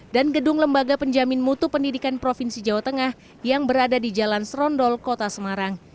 dan gedung lembaga penjamin mutu pendidikan provinsi jawa tengah yang berada di jalan serondol kota semarang